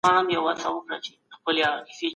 د پردیو ایډیالوژیو ړنده پیروي مه کوئ.